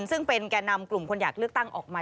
ซึ่งเป็นแก่นำกลุ่มคนอยากเลือกตั้งออกมา